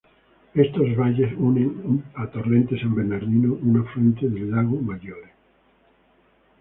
Estos valles unen a Torrente San Bernardino, un afluente de Lago Maggiore.